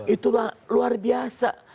itulah luar biasa